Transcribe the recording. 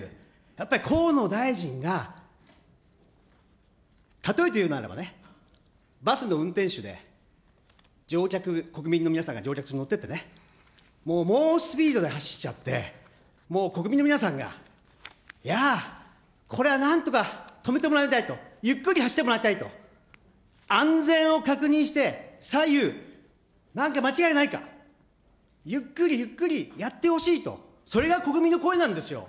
やっぱり河野大臣が、例えて言うならね、バスの運転手で、乗客、国民の皆さんが乗客として乗っててね、猛スピードで走っちゃって、もう国民の皆さんが、やあ、これはなんとか止めてもらいたいと、ゆっくり走ってもらいたいと、安全を確認して、左右、なんか間違いないか、ゆっくりゆっくりやってほしいと、それが国民の声なんですよ。